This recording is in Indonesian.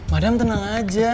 madam tenang aja